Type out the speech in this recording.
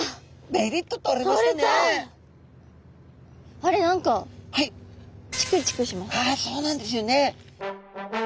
あれ何かあそうなんですよね。